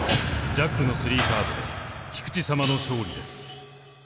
ジャックの３カードで菊地さまの勝利です。